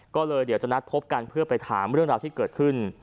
ก็เลยเดี๋ยวจะนัดพบกันเพื่อไปถามเรื่องราวที่เกิดขึ้น